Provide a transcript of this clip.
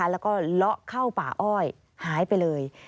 แล้วก็เลาะเข้าป่าอ้อยหายไปเลย